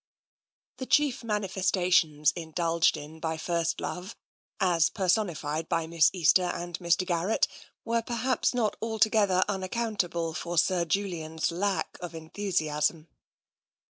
" The chief manifestations indulged in by first love, as personified by Miss Easter and Mr. Garrett, were perhaps not altogether unaccountable for Sir Julian's lack of enthusiasm.